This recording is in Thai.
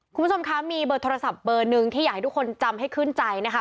คุณผู้ชมคะมีเบอร์โทรศัพท์เบอร์หนึ่งที่อยากให้ทุกคนจำให้ขึ้นใจนะคะ